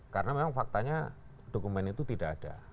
karena memang faktanya dokumen itu tidak ada